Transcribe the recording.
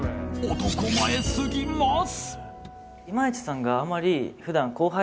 男前すぎます！